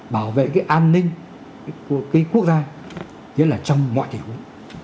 bảo vệ cái an ninh của cái quốc gia nhất là trong mọi thể hữu